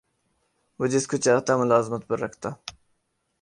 وہ جس کو چاہتا ملازمت پر رکھتا